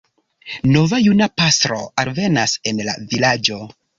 Nova juna pastro alvenas en la vilaĝon.